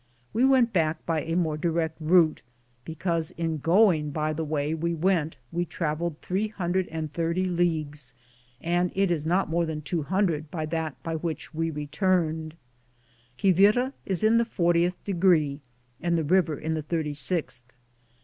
We went back by a more direct route, because in going by the way we went we traveled 330 leagues, and it is not more than 200 by that by which we returned. Quivira is in the fortieth degree and the river in the thirty sixth.